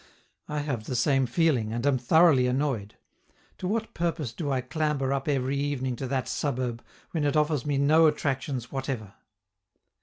I have the same feeling, and am thoroughly annoyed. To what purpose do I clamber up every evening to that suburb, when it offers me no attractions whatever?